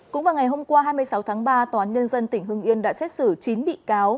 cũng vào ngày hôm qua hai mươi sáu tháng ba tòa án nhân dân tỉnh hưng yên đã xét xử chín bị cáo